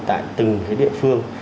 tại từng cái địa phương